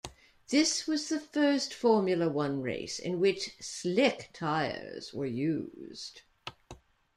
This was the first Formula One race in which slick tyres were used.